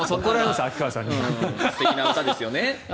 素敵な歌ですよね。